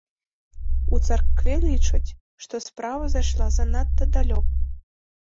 У царкве лічаць, што справа зайшла занадта далёка.